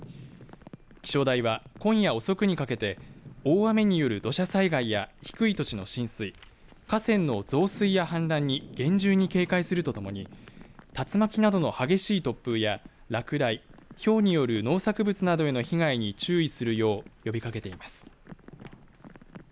気象台は今夜遅くにかけて大雨による土砂災害や低い土地の浸水河川の増水や氾濫に厳重に警戒するとともに竜巻などの激しい突風や落雷ひょうによる農作物などへの被害に注意するよう呼びかけています。